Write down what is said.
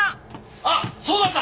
あっそうだった！